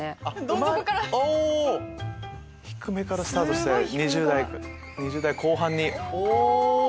どん底から⁉低めからスタートして２０代後半に。